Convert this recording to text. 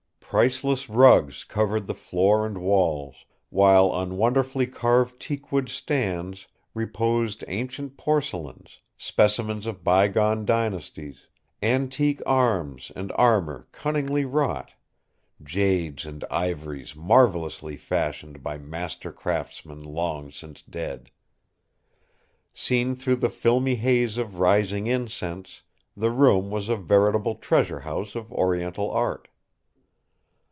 Priceless rugs covered the floor and walls, while on wonderfully carved teakwood stands reposed ancient porcelains, specimens of bygone dynasties, antique arms and armor cunningly wrought, jades and ivories marvelously fashioned by master craftsmen long since dead. Seen through the filmy haze of rising incense, the room was a veritable treasure house of Oriental art.